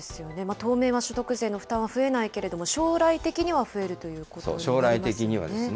当面は所得税の負担は増えないけれども、将来的には増えるということになりますよね。